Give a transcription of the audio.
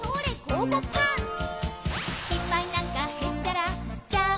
「失敗なんかへっちゃら」